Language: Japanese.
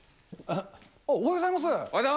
おはようございます。